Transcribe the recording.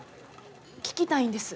聞きたいんです。